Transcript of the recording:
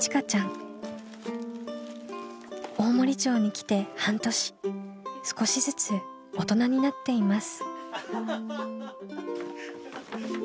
大森町に来て半年少しずつ大人になっています。